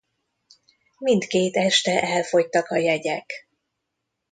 Mindkét este elfogytak a jegyek.